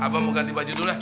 abang mau ganti baju dulu